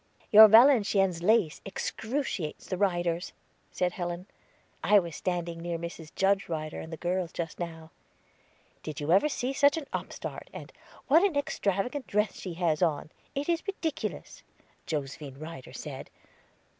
"Your Valenciennes lace excruciates the Ryders," said Helen. "I was standing near Mrs. Judge Ryder and the girls just now. 'Did you ever see such an upstart?' And, 'What an extravagant dress she has on it is ridiculous,' Josephine Ryder said.